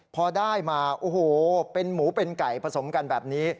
พอได้มาโอ้โหเป็นหมูเป็นไก่ผสมกันแบบนี้